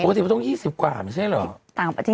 ปกติต้อง๒๐กว่าไม่ใช่เหรอ